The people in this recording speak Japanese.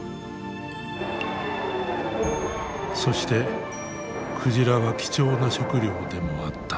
そして鯨は貴重な食料でもあった。